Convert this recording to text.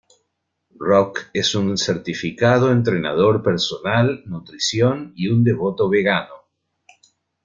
Rock es un certificado entrenador personal, nutrición y un devoto vegano.